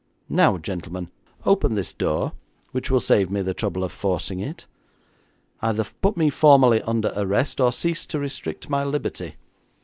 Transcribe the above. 'Now, gentlemen, open this door, which will save me the trouble of forcing it. Either put me formally under arrest, or cease to restrict my liberty.